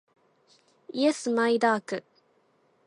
イエスマイダーク